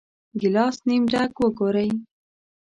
ګیلاس نیم ډک وګورئ.